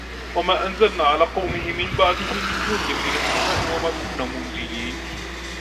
وما أنزلنا على قومه من بعده من جند من السماء وما كنا منزلين